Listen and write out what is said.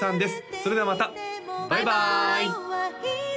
それではまたバイバーイ！